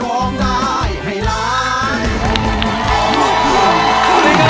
สวัสดีค่ะ